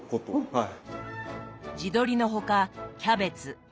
はい。